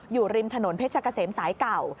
อยู่ริมถนนเพชรกะเสมสายเก่า